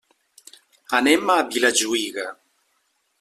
Anem a Vilajuïga.